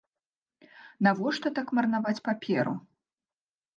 Навошта так марнаваць паперу?